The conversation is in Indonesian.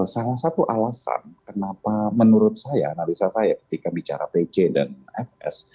salah satu alasan kenapa menurut saya analisa saya ketika bicara pc dan fs